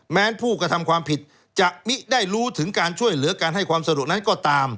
แม้ผู้กระทำความผิดจะมิได้รู้ถึงการช่วยเหลือการให้ความสะดวกนั้นก็ตาม